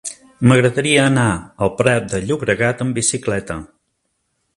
M'agradaria anar al Prat de Llobregat amb bicicleta.